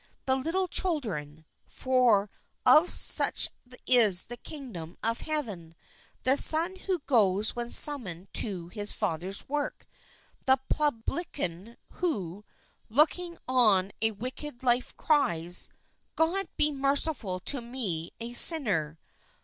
The little chil dren, for of such is the Kingdom of Heaven; the son who goes when summoned to his Father's work ; the publican who, looking on a wicked life cries, " God be merciful to me a sinner"